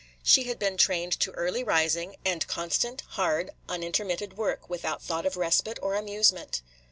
She had been trained to early rising, and constant, hard, unintermitted work, without thought of respite or amusement.